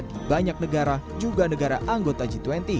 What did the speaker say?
di banyak negara juga negara anggota g dua puluh